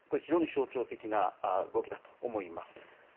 これは非常に象徴的な動きだと思います。